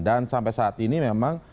dan sampai saat ini memang